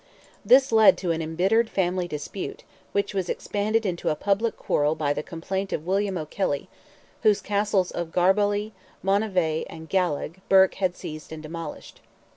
This led to an embittered family dispute, which was expanded into a public quarrel by the complaint of William O'Kelly, whose Castles of Garbally, Monivea, and Gallagh, Burke had seized and demolished.